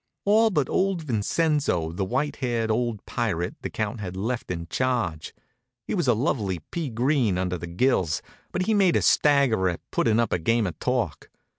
All but old Vincenzo, the white haired old pirate the count had left in charge. He was a lovely peagreen under the gills, but he made a stagger at putting up a game of talk.